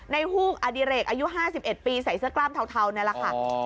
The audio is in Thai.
ฮูกอดิเรกอายุ๕๑ปีใส่เสื้อกล้ามเทานี่แหละค่ะ